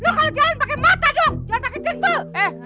lu kalo jalan pake mata dong jangan pake jendel